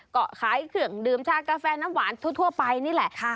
ก็ขายเครื่องดื่มชากาแฟน้ำหวานทั่วไปนี่แหละ